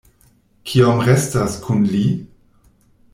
Kiom restas kun li?